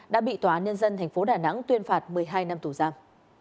đã bị tòa án nhân dân tp đà nẵng tuyên phạt một mươi hai năm tù giam